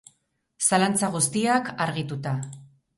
Zalantza guztiak, argituta.